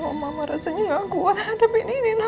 maaf mama rasanya gak kuat hadapi ini nino